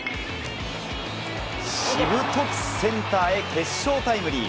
しぶとくセンターへ決勝タイムリー。